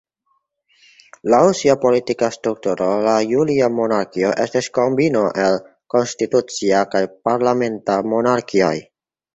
Laŭ sia politika strukturo la julia monarkio estis kombino el konstitucia kaj parlamenta monarkioj.